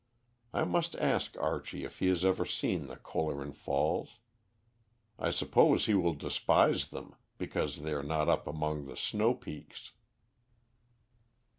I must ask Archie if he has ever seen the Kohleren Falls. I suppose he will despise them because they are not up among the snow peaks."